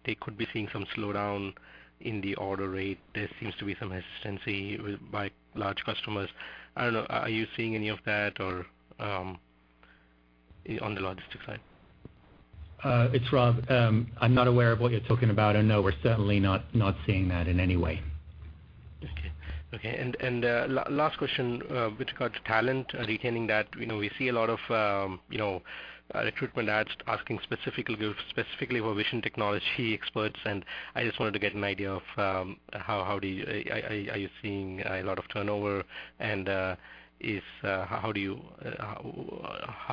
they could be seeing some slowdown in the order rate. There seems to be some hesitancy by large customers. I don't know, are you seeing any of that on the logistics side? It's Rob. I'm not aware of what you're talking about. No, we're certainly not seeing that in any way. Okay. Last question, with regard to talent, retaining that. We see a lot of recruitment ads asking specifically for vision technology experts, and I just wanted to get an idea of are you seeing a lot of turnover, and how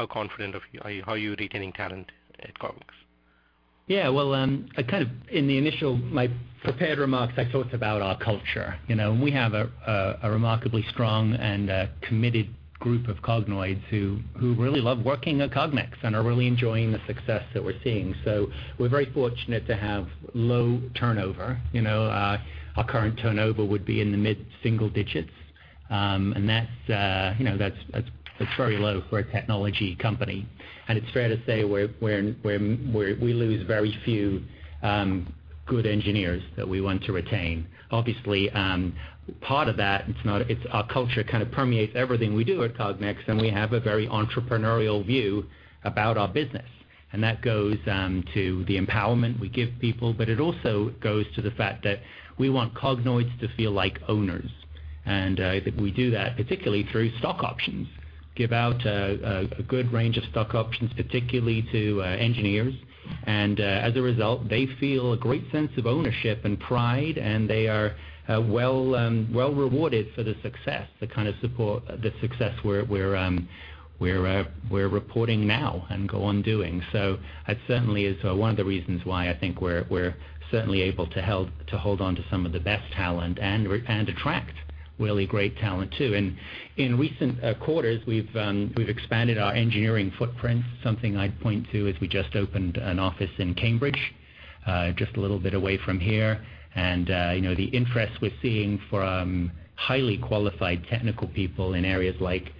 confident are you? How are you retaining talent at Cognex? Yeah. Well, in my prepared remarks, I talked about our culture. We have a remarkably strong and committed group of Cognoids who really love working at Cognex and are really enjoying the success that we're seeing. We're very fortunate to have low turnover. Our current turnover would be in the mid-single digits, and that's very low for a technology company. It's fair to say we lose very few good engineers that we want to retain. Obviously, part of that, it's our culture kind of permeates everything we do at Cognex, and we have a very entrepreneurial view about our business, and that goes to the empowerment we give people, but it also goes to the fact that we want Cognoids to feel like owners. I think we do that particularly through stock options. Give out a good range of stock options, particularly to engineers. As a result, they feel a great sense of ownership and pride, and they are well rewarded for the success, the kind of support, the success we're reporting now and go on doing so. That certainly is one of the reasons why I think we're certainly able to hold on to some of the best talent and attract really great talent, too. In recent quarters we've expanded our engineering footprint. Something I'd point to is we just opened an office in Cambridge, just a little bit away from here. The interest we're seeing from highly qualified technical people in areas like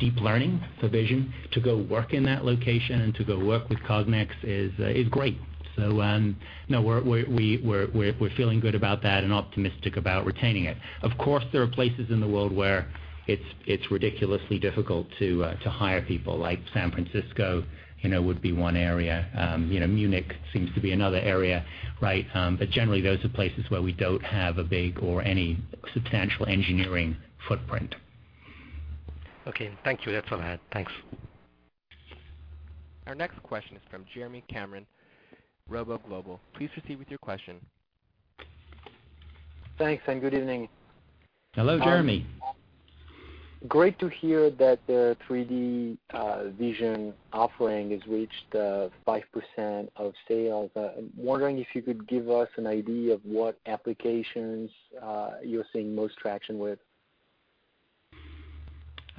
deep learning for vision to go work in that location and to go work with Cognex is great. We're feeling good about that and optimistic about retaining it. Of course, there are places in the world where it's ridiculously difficult to hire people like San Francisco, would be one area. Munich seems to be another area, right? Generally, those are places where we don't have a big or any substantial engineering footprint. Okay. Thank you. That's all I had. Thanks. Our next question is from Jeremy Cameron, ROBO Global. Please proceed with your question. Thanks, good evening. Hello, Jeremy. Great to hear that the 3D vision offering has reached 5% of sales. I'm wondering if you could give us an idea of what applications you're seeing the most traction with.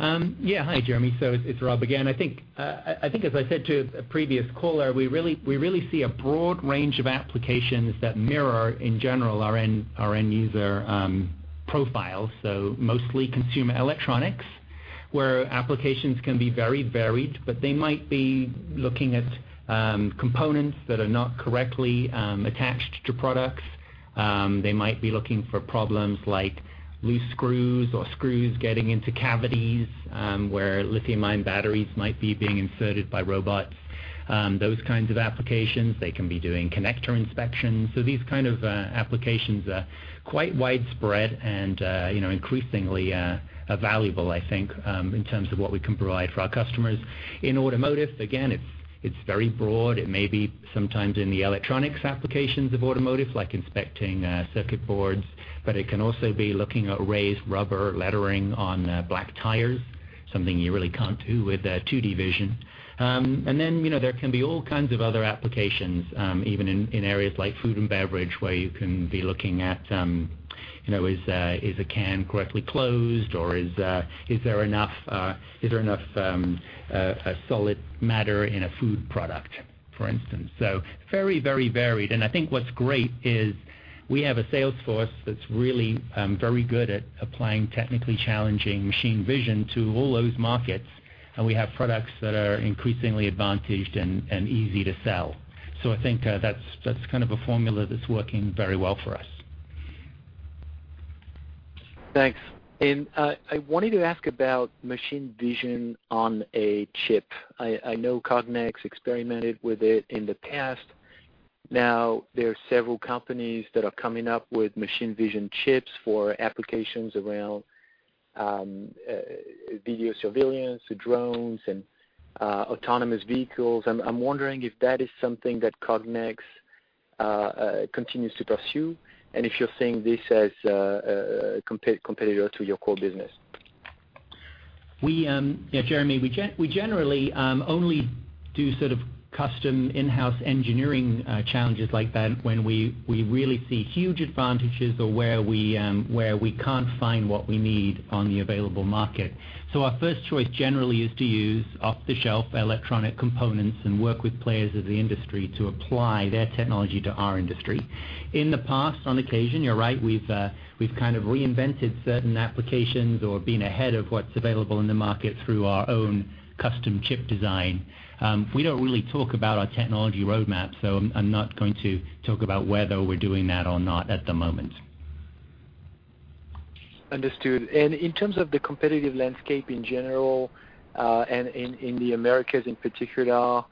Hi, Jeremy. It's Rob again. I think as I said to a previous caller, we really see a broad range of applications that mirror in general our end user profiles. Mostly consumer electronics, where applications can be very varied, but they might be looking at components that are not correctly attached to products. They might be looking for problems like loose screws or screws getting into cavities, where lithium ion batteries might be being inserted by robots. Those kinds of applications. They can be doing connector inspections. These kind of applications are quite widespread and increasingly valuable, I think, in terms of what we can provide for our customers. In automotive, again, it's very broad. It may be sometimes in the electronics applications of automotive, like inspecting circuit boards, but it can also be looking at raised rubber lettering on black tires, something you really can't do with 2D vision. There can be all kinds of other applications, even in areas like food and beverage, where you can be looking at, is a can correctly closed or is there enough solid matter in a food product, for instance. Very varied. I think what's great is we have a sales force that's really very good at applying technically challenging machine vision to all those markets, and we have products that are increasingly advantaged and easy to sell. I think that's kind of a formula that's working very well for us. Thanks. I wanted to ask about machine vision on a chip. I know Cognex experimented with it in the past. Now there are several companies that are coming up with machine vision chips for applications around video surveillance to drones and autonomous vehicles. I'm wondering if that is something that Cognex continues to pursue and if you're seeing this as a competitor to your core business. Jeremy, we generally only do sort of custom in-house engineering challenges like that when we really see huge advantages or where we can't find what we need on the available market. Our first choice generally is to use off-the-shelf electronic components and work with players of the industry to apply their technology to our industry. In the past, on occasion, you're right, we've kind of reinvented certain applications or been ahead of what's available in the market through our own custom chip design. We don't really talk about our technology roadmap, I'm not going to talk about whether we're doing that or not at the moment. Understood. In terms of the competitive landscape in general, and in the Americas in particular,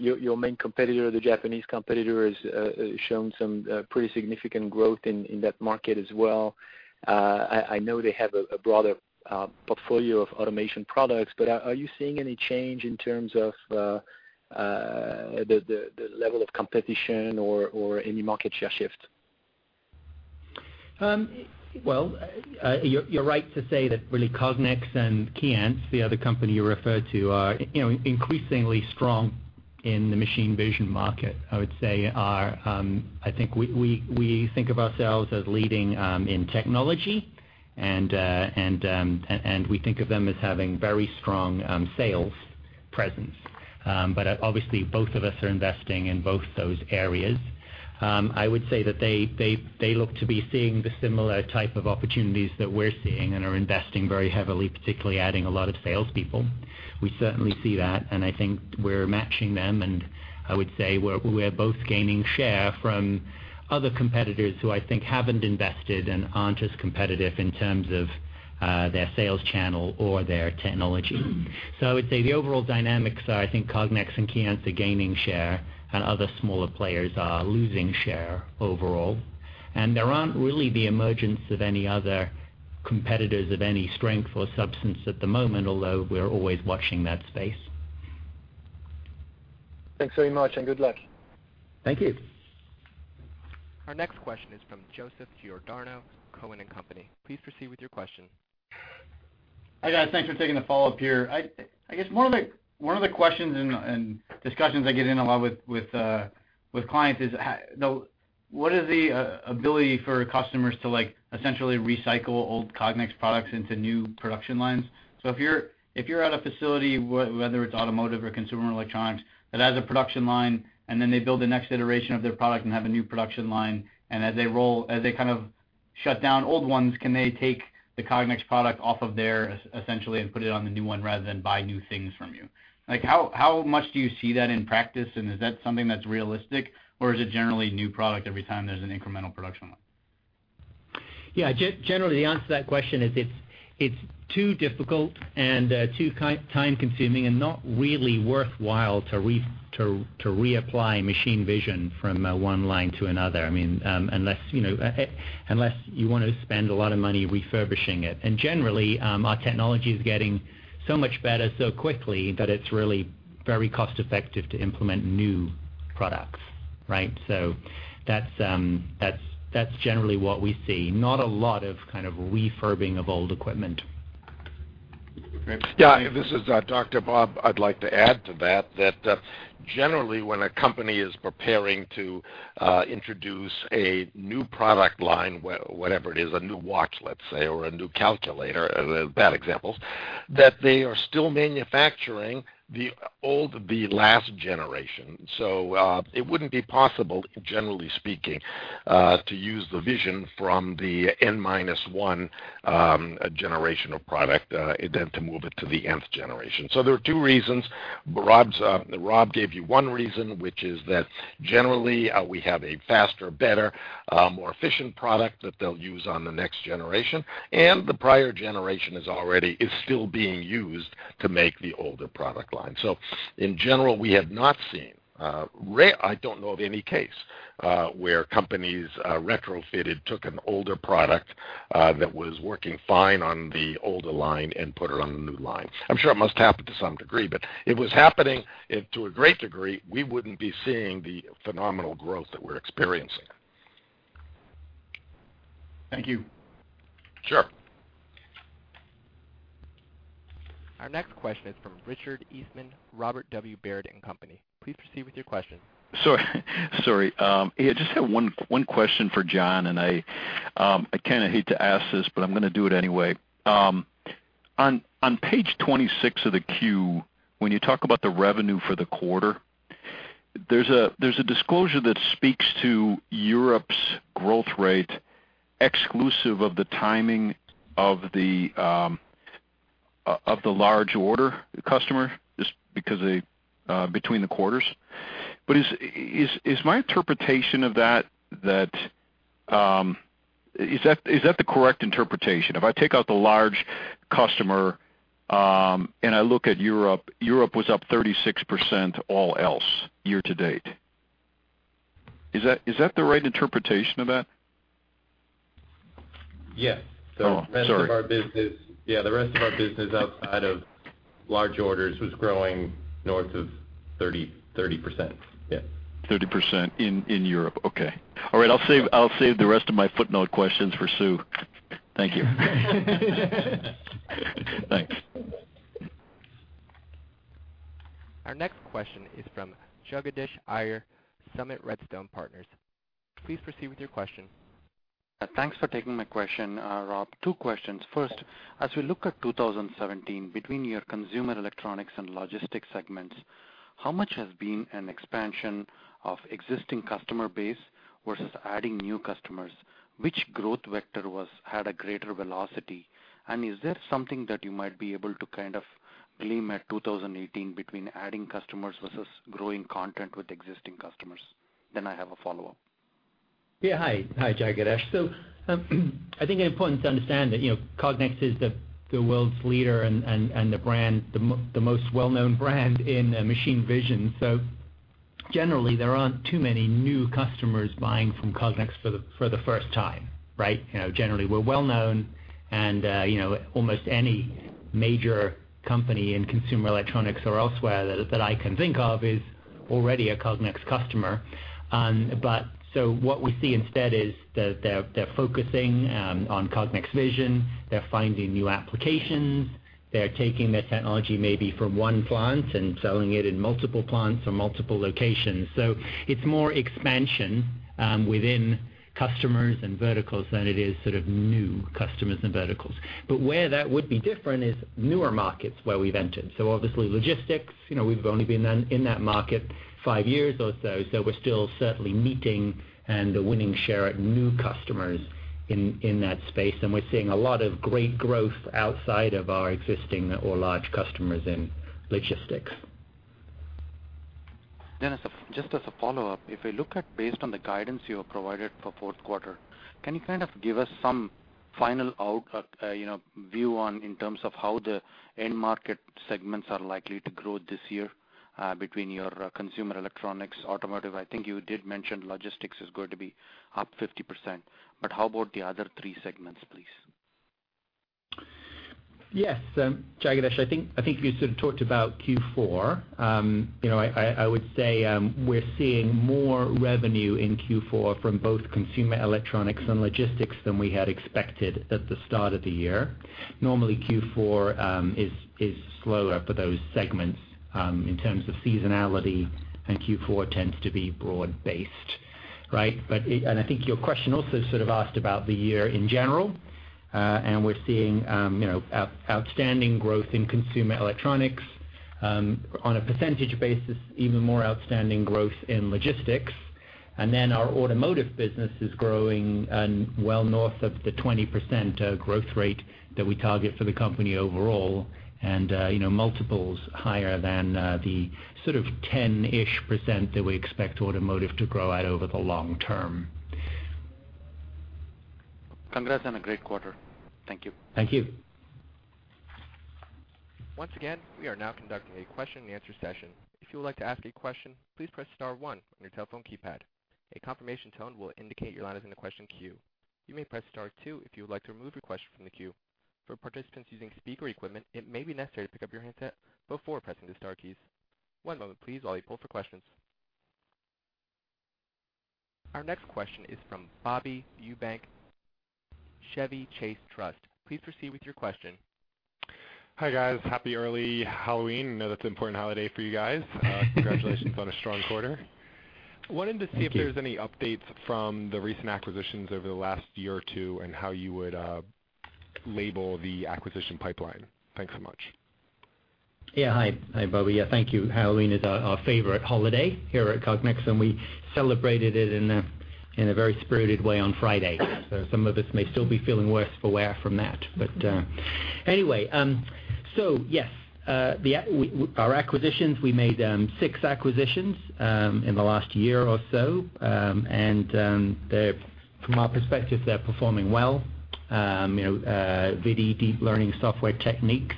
your main competitor, the Japanese competitor, has shown some pretty significant growth in that market as well. I know they have a broader portfolio of automation products, but are you seeing any change in terms of the level of competition or any market share shift? Well, you're right to say that really Cognex and Keyence, the other company you referred to, are increasingly strong in the machine vision market. I would say we think of ourselves as leading in technology and we think of them as having very strong sales presence. Obviously both of us are investing in both those areas. I would say that they look to be seeing the similar type of opportunities that we're seeing and are investing very heavily, particularly adding a lot of salespeople. We certainly see that, I think we're matching them, I would say we're both gaining share from other competitors who I think haven't invested and aren't as competitive in terms of their sales channel or their technology. I would say the overall dynamics are, I think Cognex and Keyence are gaining share, and other smaller players are losing share overall. There aren't really the emergence of any other competitors of any strength or substance at the moment, although we're always watching that space. Thanks very much and good luck. Thank you. Our next question is from Joseph Giordano, Cowen and Company. Please proceed with your question. Hi, guys. Thanks for taking the follow-up here. I guess one of the questions and discussions I get in a lot with clients is, what is the ability for customers to essentially recycle old Cognex products into new production lines? If you're at a facility, whether it's automotive or consumer electronics, that has a production line, and then they build the next iteration of their product and have a new production line, and as they kind of shut down old ones, can they take the Cognex product off of there essentially and put it on the new one rather than buy new things from you? How much do you see that in practice, and is that something that's realistic, or is it generally a new product every time there's an incremental production line? Yeah, generally, the answer to that question is it's too difficult and too time-consuming and not really worthwhile to reapply machine vision from one line to another, unless you want to spend a lot of money refurbishing it. Generally, our technology is getting so much better so quickly that it's really very cost-effective to implement new products, right? That's generally what we see. Not a lot of kind of refurbing of old equipment. Okay. This is Dr. Bob. I'd like to add to that generally when a company is preparing to introduce a new product line, whatever it is, a new watch, let's say, or a new calculator, bad examples, that they are still manufacturing the last generation. It wouldn't be possible, generally speaking, to use the vision from the N minus one generation of product, then to move it to the Nth generation. There are two reasons. Rob gave you one reason, which is that generally we have a faster, better, more efficient product that they'll use on the next generation, and the prior generation is still being used to make the older product line. In general, we have not seen, I don't know of any case where companies retrofitted, took an older product that was working fine on the older line and put it on the new line. I'm sure it must happen to some degree, but if it was happening to a great degree, we wouldn't be seeing the phenomenal growth that we're experiencing. Thank you. Sure. Our next question is from Richard Eastman, Robert W. Baird & Co.. Please proceed with your question. Sorry. I just have one question for John, and I kind of hate to ask this, but I'm going to do it anyway. On page 26 of the Q, when you talk about the revenue for the quarter, there's a disclosure that speaks to Europe's growth rate exclusive of the timing of the large order customer, between the quarters. Is my interpretation of that the correct interpretation? If I take out the large customer, and I look at Europe was up 36% all else year-to-date. Is that the right interpretation of that? Yes. Oh, sorry. The rest of our business outside of large orders was growing north of 30%. Yeah. 30% in Europe. Okay. All right. I'll save the rest of my footnote questions for Sue. Thank you. Thanks. Our next question is from Jagadish Iyer, Summit Redstone Partners. Please proceed with your question. Thanks for taking my question, Rob. Two questions. First, as we look at 2017 between your consumer electronics and logistics segments, how much has been an expansion of existing customer base versus adding new customers? Which growth vector had a greater velocity? Is there something that you might be able to kind of gleam at 2018 between adding customers versus growing content with existing customers? I have a follow-up. Hi. Hi, Jagadish. I think the important thing to understand that, Cognex is the world's leader and the most well-known brand in machine vision. Generally, there aren't too many new customers buying from Cognex for the first time, right? Generally, we're well-known, and almost any major company in consumer electronics or elsewhere that I can think of is already a Cognex customer. What we see instead is that they're focusing on Cognex vision. They're finding new applications. They're taking the technology maybe from one plant and selling it in multiple plants or multiple locations. It's more expansion within customers and verticals than it is sort of new customers and verticals. Where that would be different is newer markets where we've entered. Obviously logistics, we've only been in that market five years or so we're still certainly meeting and winning share at new customers in that space, and we're seeing a lot of great growth outside of our existing or large customers in logistics. Dennis, just as a follow-up, if we look at based on the guidance you have provided for fourth quarter, can you give us some final view in terms of how the end market segments are likely to grow this year between your consumer electronics, automotive? I think you did mention logistics is going to be up 50%, how about the other three segments, please? Yes. Jagadish, I think you sort of talked about Q4. I would say we're seeing more revenue in Q4 from both consumer electronics and logistics than we had expected at the start of the year. Normally, Q4 is slower for those segments, in terms of seasonality, and Q4 tends to be broad based. Right? I think your question also sort of asked about the year in general. We're seeing outstanding growth in consumer electronics. On a percentage basis, even more outstanding growth in logistics. Then our automotive business is growing well north of the 20% growth rate that we target for the company overall. Multiples higher than the sort of 10-ish% that we expect automotive to grow at over the long term. Congrats on a great quarter. Thank you. Thank you. Once again, we are now conducting a question and answer session. If you would like to ask a question, please press star one on your telephone keypad. A confirmation tone will indicate your line is in the question queue. You may press star two if you would like to remove your question from the queue. For participants using speaker equipment, it may be necessary to pick up your handset before pressing the star keys. One moment please while we pull for questions. Our next question is from Bobby Eubank, Chevy Chase Trust. Please proceed with your question. Hi, guys. Happy early Halloween. I know that's an important holiday for you guys. Congratulations on a strong quarter. Thank you. Wanted to see if there's any updates from the recent acquisitions over the last year or two, and how you would label the acquisition pipeline. Thanks so much. Hi, Bobby. Thank you. Halloween is our favorite holiday here at Cognex, and we celebrated it in a very spirited way on Friday. Some of us may still be feeling worse for wear from that. Anyway, yes, our acquisitions, we made six acquisitions in the last year or so. From our perspective, they're performing well. ViDi deep learning software techniques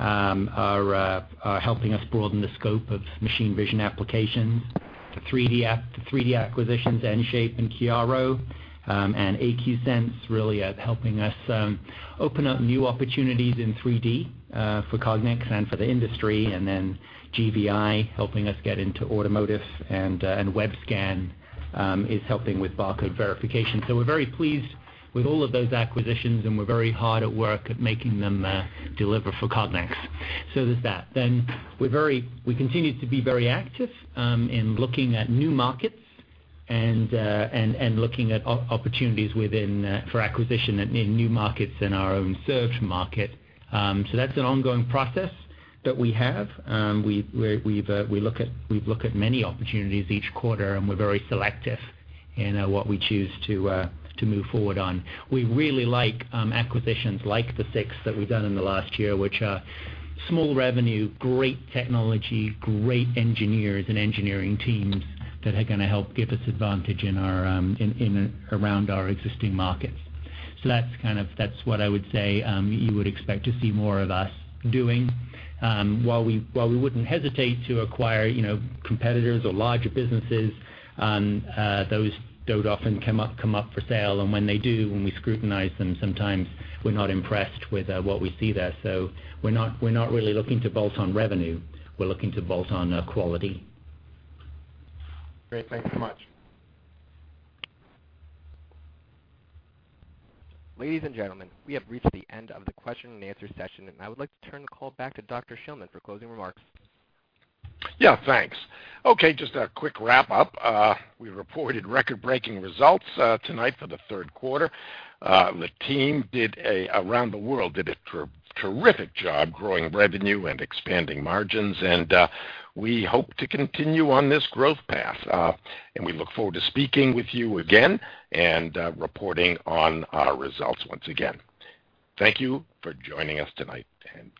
are helping us broaden the scope of machine vision applications. The 3D acquisitions, EnShape and Chiaro, and AQSense really are helping us open up new opportunities in 3D for Cognex and for the industry. GVI helping us get into automotive, and Webscan is helping with barcode verification. We're very pleased with all of those acquisitions, and we're very hard at work at making them deliver for Cognex. There's that. We continue to be very active in looking at new markets and looking at opportunities for acquisition in new markets in our own search market. That's an ongoing process that we have. We look at many opportunities each quarter, and we're very selective in what we choose to move forward on. We really like acquisitions like the six that we've done in the last year, which are small revenue, great technology, great engineers and engineering teams that are going to help give us advantage around our existing markets. That's what I would say you would expect to see more of us doing. While we wouldn't hesitate to acquire competitors or larger businesses, those don't often come up for sale. When they do, when we scrutinize them, sometimes we're not impressed with what we see there. We're not really looking to bolt on revenue. We're looking to bolt on quality. Great. Thank you so much. Ladies and gentlemen, we have reached the end of the question and answer session, and I would like to turn the call back to Dr. Shillman for closing remarks. Yeah, thanks. Okay, just a quick wrap up. We reported record-breaking results tonight for the third quarter. The team around the world did a terrific job growing revenue and expanding margins, and we hope to continue on this growth path. We look forward to speaking with you again and reporting on our results once again. Thank you for joining us tonight, and good night.